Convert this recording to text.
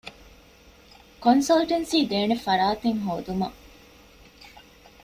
ކޮންސަލްޓެންސީ ދޭނެ ފަރާތެއް ހޯދުމަށް